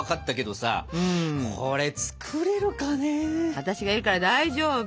私がいるから大丈夫！